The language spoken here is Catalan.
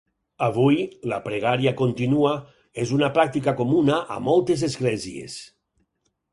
Avui, la pregària continua és una pràctica comuna a moltes esglésies.